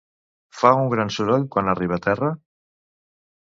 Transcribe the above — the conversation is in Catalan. Fa un gran soroll quan arriba a terra?